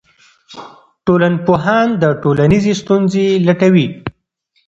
ټولنپوهان ټولنیزې ستونزې لټوي.